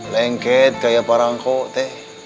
lengket kayak parangko teeh